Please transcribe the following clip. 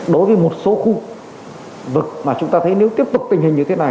đối với một số khu vực mà chúng ta thấy nếu tiếp tục tình hình như thế này